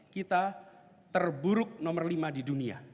kita terburuk nomor lima di dunia